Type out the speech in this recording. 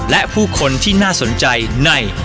และผู้คนที่น่าสนใจใน